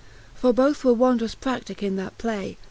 For both were wondrous pra^ticke in that play.